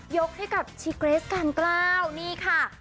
ยกให้กับชีเกรสกาลเกล้า